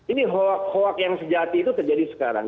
ini hoax hoax yang sejati itu terjadi sekarang